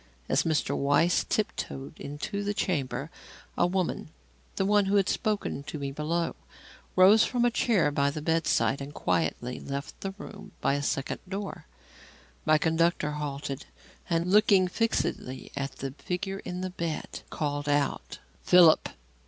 As Mr. Weiss tiptoed into the chamber, a woman the one who had spoken to me below rose from a chair by the bedside and quietly left the room by a second door. My conductor halted, and looking fixedly at the figure in the bed, called out: "Philip!